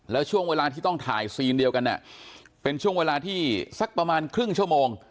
แล้วช่วงเวลาที่ต้องถ่ายซีนเดียวกันเป็นช่วงเวลาที่สักประมาณครึ่งชั่วโมง